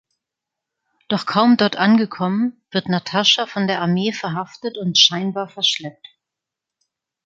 Doch kaum dort angekommen, wird Natascha von der Armee verhaftet und scheinbar verschleppt.